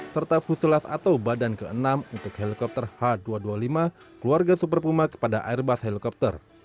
serta fusilas atau badan ke enam untuk helikopter h dua ratus dua puluh lima keluarga super puma kepada airbus helikopter